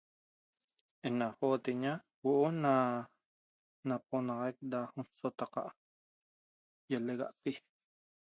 Ena hoteña huoo na noponaxaq da nsotaca yelexapi